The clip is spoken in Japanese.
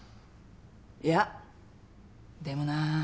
いやでもな。